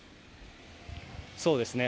そうですね。